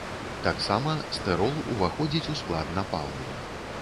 Таксама стырол ўваходзіць у склад напалму.